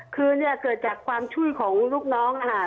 คือเนี่ยเกิดจากความช่วยของลูกน้องอ่า